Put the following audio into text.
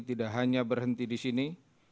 tidak hanya berhenti di sini